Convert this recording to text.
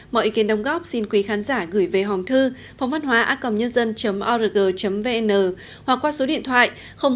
mọi ý kiến đồng góp xin quý khán giả gửi về hòm thư phongvănhoaacomnn org vn hoặc qua số điện thoại hai trăm bốn mươi ba hai trăm sáu mươi sáu chín nghìn năm trăm linh tám